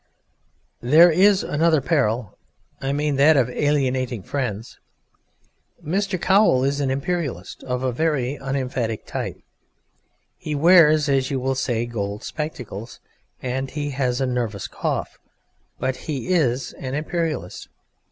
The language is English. There is another peril I mean that of alienating friends. Mr. Cowl is an Imperialist of a very unemphatic type: he wears (as you will say) gold spectacles, and has a nervous cough, but he is an Imperialist.